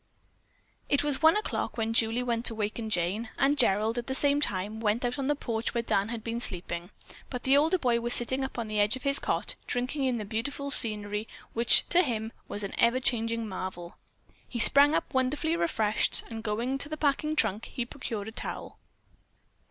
It was one o'clock when Julie went to waken Jane, and Gerald, at the same time, went out on the porch where Dan had been sleeping, but the older boy was sitting up on the edge of his cot drinking in the beauty of the scene which, to him, was an ever changing marvel. He sprang up, wonderfully refreshed, and going to the packing trunk, he procured a towel.